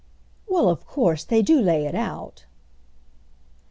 "Well, of course, they do lay it out."